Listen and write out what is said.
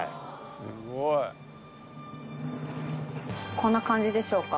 こんな感じでしょうか。